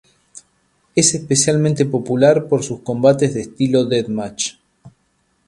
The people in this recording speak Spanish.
Es especialmente popular por sus combates de estilo deathmatch.